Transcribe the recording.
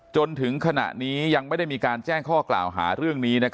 จนถึงขณะนี้ยังไม่ได้มีการแจ้งข้อกล่าวหาเรื่องนี้